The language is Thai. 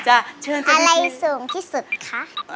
อะไรสูงที่สุดคะ